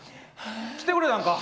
来てくれたんか？